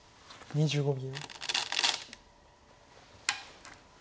２５秒。